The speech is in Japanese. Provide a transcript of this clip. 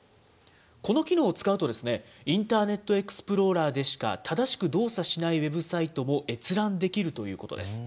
この機能を使うと、インターネットエクスプローラーでしか正しく動作しないウェブサイトも、閲覧できるということです。